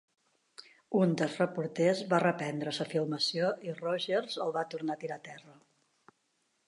Un dels reporters va reprendre la filmació i Rogers el va tornar a tirar a terra.